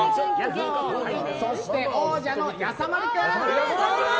そして、王者のやさまる君！